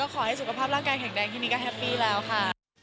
ขอให้สุขภาพร่างกายแข็งแรงที่นี่ก็แฮปปี้แล้วค่ะ